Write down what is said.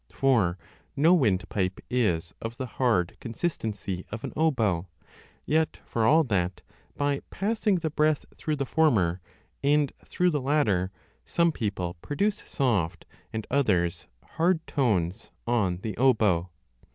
For no windpipe is of the hard con sistency of an oboe ; yet for all that, by passing the breath through the former and through the latter, some people produce soft and others hard tones on the oboe.